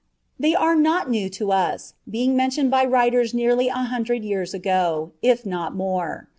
They are not new to us, being mentioned by writers nearly a hundred years ago, if not more.